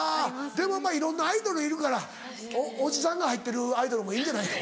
でもいろんなアイドルいるからおじさんが入ってるアイドルもいいんじゃないの？